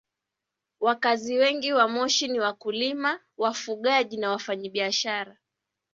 Wakazi wengi wa Moshi ni wakulima, wafugaji na wafanyabiashara.